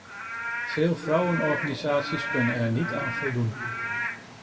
Veel vrouwenorganisaties kunnen er niet aan voldoen.